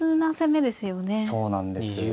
そうなんです。